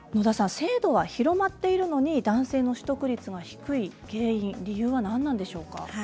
制度は広まっているのに男性の取得率が低い理由は何なんでしょうか。